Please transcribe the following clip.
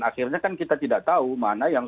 akhirnya kan kita tidak tahu mana yang